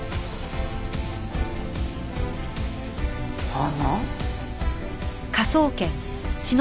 花？